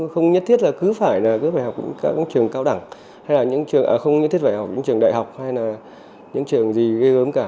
không nhất thiết là cứ phải học những trường đại học hay là những trường gì gây ớm cả